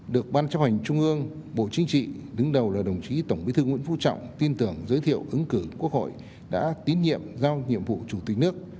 được ban chấp hành trung ương bộ chính trị đứng đầu là đồng chí tổng bí thư nguyễn phú trọng tin tưởng giới thiệu ứng cử quốc hội đã tín nhiệm giao nhiệm vụ chủ tịch nước